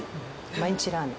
毎日ラーメン。